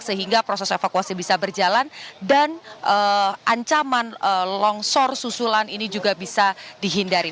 sehingga proses evakuasi bisa berjalan dan ancaman longsor susulan ini juga bisa dihindari